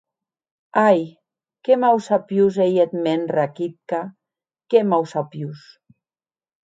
Ai, qué mausapiós ei eth mèn Rakitka, qué mausapiós!